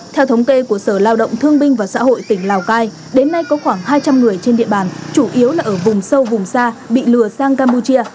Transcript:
theo thống kê của sở lao động thương binh và xã hội tỉnh lào cai đến nay có khoảng hai trăm linh người trên địa bàn chủ yếu là ở vùng sâu vùng xa bị lừa sang campuchia